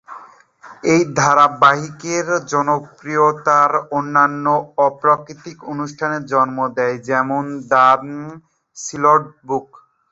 এই ধারাবাহিকের জনপ্রিয়তা অন্যান্য অতিপ্রাকৃতিক অনুষ্ঠানের জন্ম দেয়, যেমন "দ্য সীলড বুক"।